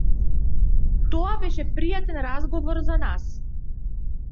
Тоа беше пријатен разговор за нас.